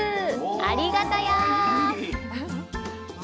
ありがたや！